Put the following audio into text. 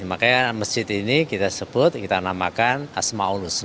makanya masjid ini kita sebut kita namakan asma ul husna